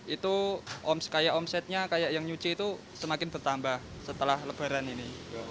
itu kayak omsetnya kayak yang nyuci itu semakin bertambah setelah lebaran ini